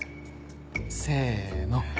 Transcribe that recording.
せの。